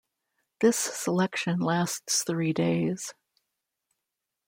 This selection lasts three days.